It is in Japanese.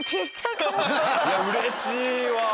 いやうれしいわ。